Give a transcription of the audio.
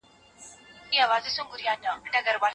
د توبه ايستونکو مسلمانانو سره آسانه حساب کيږي